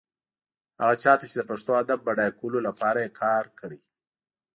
هغه چا ته چې د پښتو ادب بډایه کولو لپاره يې کار کړی.